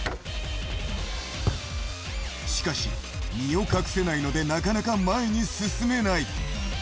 しかし身を隠せないので、なかなか前に進めない。